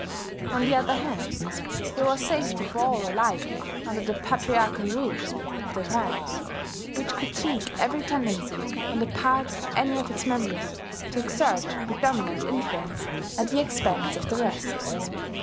On the other hand, there was safety for all alike under the patriarchal rule of the clan, which could cheek every tendency on the part of any of its members to exert predominant influence at the expense of the rest.